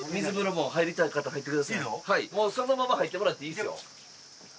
もうそのまま入ってもらっていいですよ。